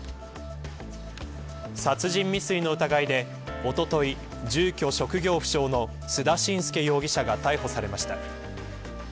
殺人未遂の疑いで、おととい住居、職業不詳の須田信介容疑者が逮捕されました。